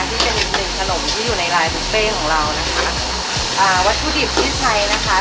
ที่เป็นอีกหนึ่งขนมที่อยู่ในลายบุฟเฟ่ของเรานะคะอ่าวัตถุดิบที่ใช้นะคะ